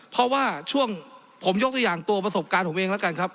เพราะว่าช่วงผมยกตัวอย่างตัวประสบการณ์ผมเองแล้วกันครับ